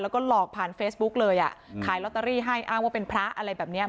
แล้วก็หลอกผ่านเฟซบุ๊กเลยอ่ะขายลอตเตอรี่ให้อ้างว่าเป็นพระอะไรแบบเนี้ย